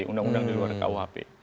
undang undang di luar kuhp